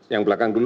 yang belakang dulu